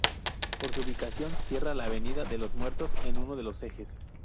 Por su ubicación, cierra la Avenida de los Muertos en uno de los ejes.